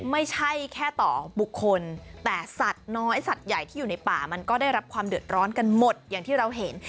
ไม่ใช่แค่ต่อบุคคลแต่สัตว์น้อยสัตว์ใหญ่ที่อยู่ในป่ามันก็ได้รับความเดือดร้อนกันหมดอย่างที่เราเห็น